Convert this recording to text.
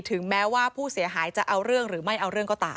ถึงแม้ว่าผู้เสียหายจะเอาเรื่องหรือไม่เอาเรื่องก็ตาม